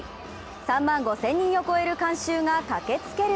３万５０００人を超える観衆が駆けつける